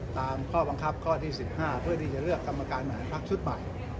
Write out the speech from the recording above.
ตามข้อบังคับข้อที่๑๕เพื่อที่จะเลือกกรรมการบริหารพักชุดใหม่